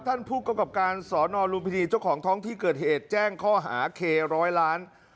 ท่านผู้กำกับการสอนอลุมพินีเจ้าของท้องที่เกิดเหตุแจ้งข้อหาเคร้อยล้าน